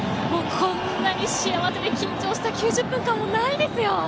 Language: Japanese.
こんなに幸せで緊張した９０分間はないですよ。